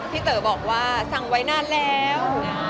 เต๋อบอกว่าสั่งไว้นานแล้ว